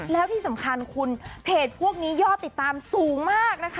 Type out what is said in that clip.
แล้วที่สำคัญคุณเพจพวกนี้ยอดติดตามสูงมากนะคะ